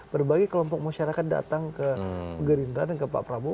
berbagai kelompok masyarakat datang ke gerindra dan ke pak prabowo